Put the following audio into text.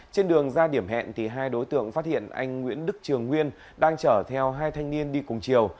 trên đường ra điểm hẹn thì hai đối tượng phát hiện anh nguyễn đức trường nguyên đang chở theo hai thanh niên đi cùng chiều